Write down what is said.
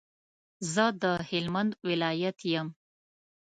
زه د هلمند ولایت یم.